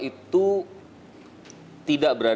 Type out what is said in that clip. itu tidak berarti